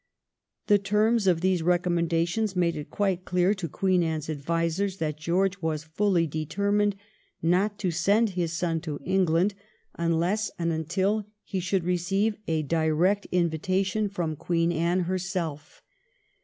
The terms of these recommendations made it quite clear to Queen Anne's advisers that George was fully determined not to send his son to England unless and until he should receive a direct invitation from Queen Anne VOL. II. T 274 THE REIGN OF QUEEN ANNE. ch. xxxm. herself.